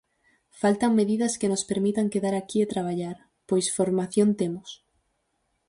"Faltan medidas que nos permitan quedar aquí e traballar" pois "formación temos".